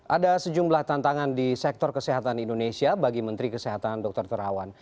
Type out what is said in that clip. ada sejumlah tantangan di sektor kesehatan indonesia bagi menteri kesehatan dr terawan